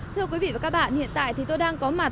thưa quý vị và các bạn hiện tại thì tôi đang có mặt